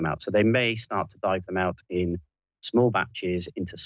ออกไปในส่วนละเอียดอื่นหรือในส่วนละเอียดอื่น